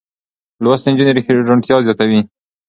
لوستې نجونې روڼتيا زياتوي.